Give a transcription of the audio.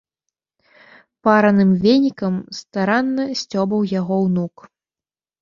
Параным венікам старанна сцёбаў яго ўнук.